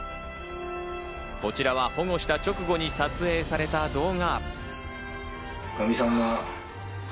こちらは保護した直後に撮影された動画。